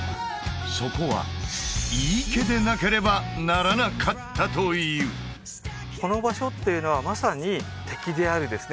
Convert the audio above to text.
そこは井伊家でなければならなかったというこの場所っていうのはまさに敵であるですね